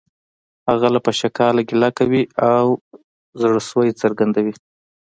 هغه له پشکاله ګیله کوي او زړه سوی څرګندوي